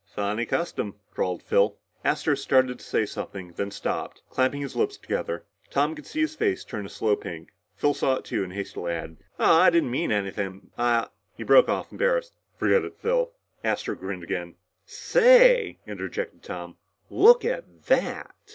"Funny custom," drawled Phil. Astro started to say something and then stopped, clamping his lips together. Tom could see his face turn a slow pink. Phil saw it too, and hastily added: "Oh I didn't mean anything. I ah " he broke off, embarrassed. "Forget it, Phil." Astro grinned again. "Say," interjected Tom. "Look at that!"